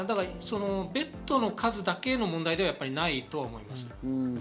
ベッドの数だけの問題ではないと思います。